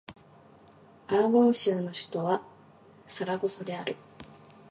アラゴン州の州都はサラゴサである